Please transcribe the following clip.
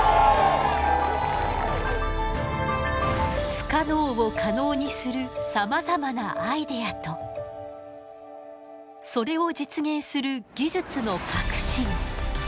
不可能を可能にするさまざまなアイデアとそれを実現する技術の革新。